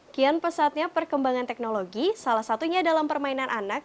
kian pesatnya perkembangan teknologi salah satunya dalam permainan anak